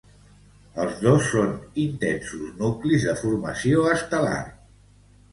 Les dos són intensos nuclis de formació estel·lar.